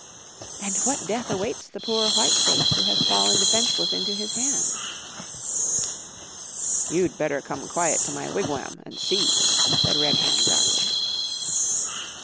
"And what death awaits the poor white face who has fallen defenceless into his hand?" "You better come quiet to my wigwam an' see," said Red Hand darkly.